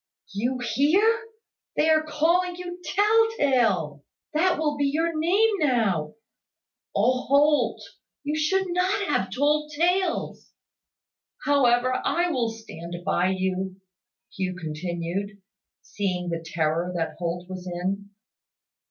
"You hear! They are calling you `tell tale.' That will be your name now. Oh, Holt! You should not have told tales. However, I will stand by you," Hugh continued, seeing the terror that Holt was in.